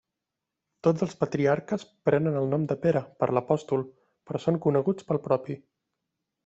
Tots els patriarques prenen el nom de Pere, per l'apòstol, però són coneguts pel propi.